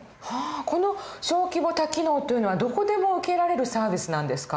この小規模多機能というのはどこでも受けられるサービスなんですか？